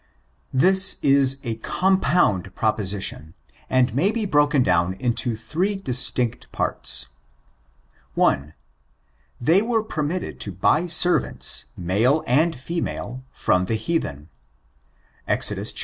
I • This is a compound proposition^ and may be broken down into three distinct parts. 1. They were permitted to buy servants, male and female, from the heathen. Exod. xii.